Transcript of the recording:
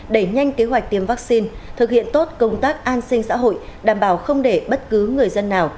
đẩy nhanh kế hoạch tiêm vaccine thực hiện tốt công tác an sinh xã hội đảm bảo không để bất cứ người dân nào